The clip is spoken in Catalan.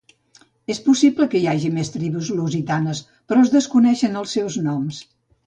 Es possible que hi hagi més tribus lusitanes, però es desconeixen els seus noms.